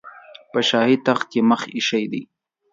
په شاهي تخت یې مخ ایښی دی.